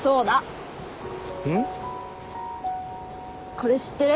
これ知ってる？